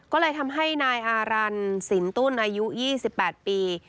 ก็เลยทำให้นายอารันสินตุ้นอายุ๒๘ปี